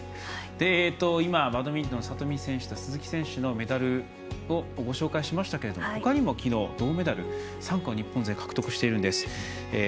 バドミントンの里見選手と鈴木選手のメダルをご紹介しましたけどほかにもきのう、銅メダル３個日本勢獲得しているんです。